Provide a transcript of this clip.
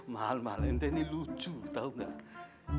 mahal mahal ente ini lucu tau gak